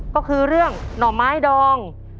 ก็คือเรื่องหน่อไม้ดอง